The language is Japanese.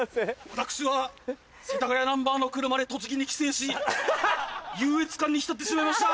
私は世田谷ナンバーの車で栃木に帰省し優越感に浸ってしまいました。